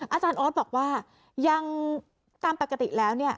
อาจารย์ออสบอกว่ายังตามปกติแล้วเนี่ย